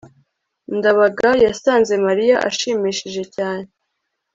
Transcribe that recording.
ndabaga yasanze mariya ashimishije cyane